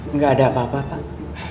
nggak ada apa apa pak